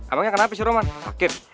emangnya kenapa sih roman sakit